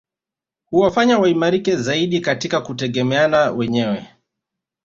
Huwafanya waimarike zaidi katika kutegemeana wenyewe